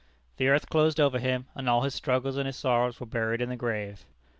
The earth closed over him, and all his struggles and his sorrows were buried in the grave.